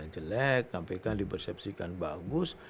jelek kpk di persepsikan bagus